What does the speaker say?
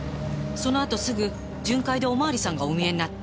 そのあとすぐ巡回でお巡りさんがお見えになって。